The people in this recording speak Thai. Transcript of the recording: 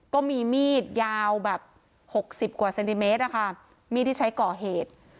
ก็มีมีดยาวแบบหกสิบกว่าเซนติเมตรอะค่ะมีดที่ใช้ก่อเหตุ